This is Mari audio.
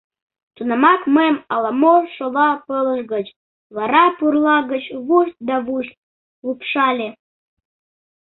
Тунамак мыйым ала-мо шола пылыш гыч, вара пурла гыч вушт да вушт лупшале.